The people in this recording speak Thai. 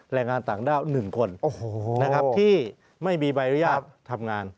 แรงงานต่างด้าว๑คนที่ไม่มีใบอนุญาตทำงาน